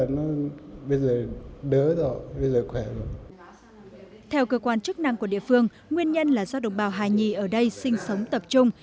nhưng việc đồng bào hà nhi ở đây sinh sống tập trung nhưng việc đồng bào hà nhi ở đây sinh sống tập trung